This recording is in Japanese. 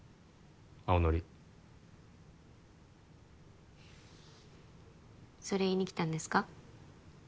青のりそれ言いに来たんですか？